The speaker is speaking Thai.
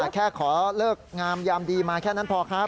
แค่ขอเลิกงามยามดีมาแค่นั้นพอครับ